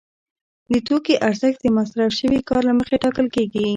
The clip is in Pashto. د توکي ارزښت د مصرف شوي کار له مخې ټاکل کېږي